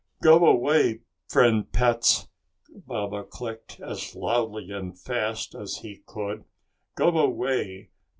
"Go away friend pets," Baba clicked, as loudly and as fast as he could. "Go away!